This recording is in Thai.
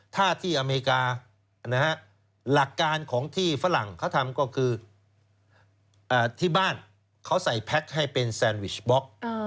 ถ้าที่อเมริกาหลักการของที่ฝรั่งเขาทำก็คือที่บ้านเขาใส่แพ็คให้เป็นแซนวิชบล็อก